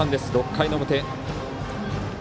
６回の表。